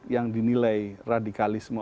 yang dinilai radikalisme